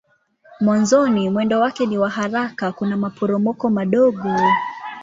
Mwanzoni mwendo wake ni wa haraka kuna maporomoko madogo.